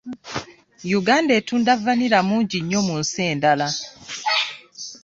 Uganda etunda vanilla mungi nnyo mu nsi endala.